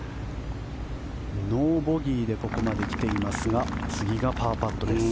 ノーボギーでここまで来ていますが次がパーパットです。